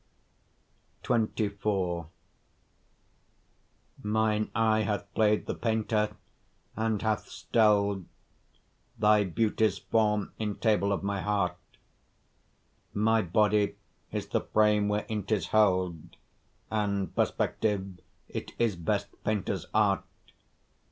XXIV Mine eye hath play'd the painter and hath stell'd, Thy beauty's form in table of my heart; My body is the frame wherein 'tis held, And perspective it is best painter's art.